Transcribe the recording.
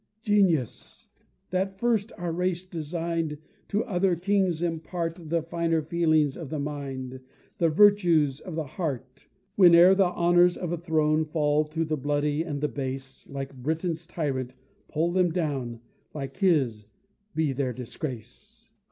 Genius! that first our race designed, To other kings impart The finer feelings of the mind, The virtues of the heart; Whene'er the honors of a throne Fall to the bloody and the base, Like Britain's tyrant, pull them down, Like his, be their disgrace!